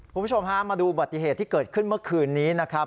คุณผู้ชมฮะมาดูอุบัติเหตุที่เกิดขึ้นเมื่อคืนนี้นะครับ